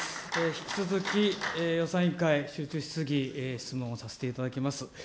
引き続き、予算委員会集中質疑、質問をさせていただきます。